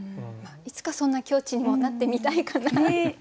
いつかそんな境地にもなってみたいかな。